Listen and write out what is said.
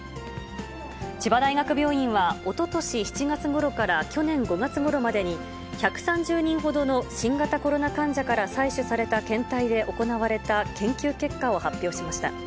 千葉大学病院はおととし７月ごろから去年５月ごろまでに、１３０人ほどの新型コロナ患者から採取された検体で行われた研究結果を発表しました。